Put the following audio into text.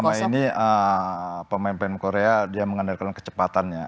kalau saya melihat selama ini pemain pemain korea dia mengandalkan kecepatannya